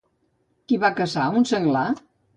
Qui va caçar un senglar?